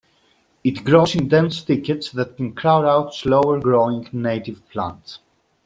It grows in dense thickets that can crowd out slower growing native plants.